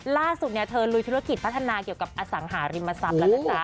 ล่าสุดเธอลุยธุรกิจพัฒนาเกี่ยวกับอสังหาริมทรัพย์แล้วนะจ๊ะ